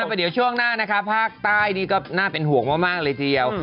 เดี๋ยวช่วงหน้านะคะภาคใต้นี่ก็น่าเป็นห่วงมากเลยทีเดียว